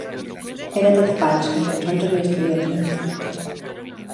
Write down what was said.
Era tot fals, ni tan sols havia estudiat dret.